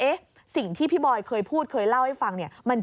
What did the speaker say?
เอ๊ะสิ่งที่พี่บอยเคยพูดเคยเล่าให้ฟัง